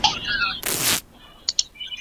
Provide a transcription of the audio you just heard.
ايا ښځي د خپل ځان په اړه واک درلود؟